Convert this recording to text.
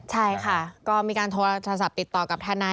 ใช่ค่ะก็มีการโทรศัพท์ติดต่อกับทนาย